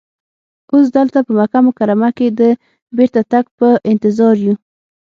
اوس دلته په مکه مکرمه کې د بېرته تګ په انتظار یو.